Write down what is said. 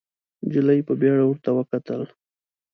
نجلۍ په بيړه ورته وکتل.